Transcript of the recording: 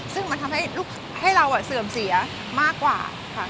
ซึ่งมันทำให้เราเสื่อมเสียมากกว่าค่ะ